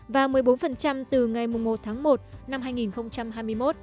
và một mươi bốn từ ngày một tháng một năm hai nghìn hai mươi một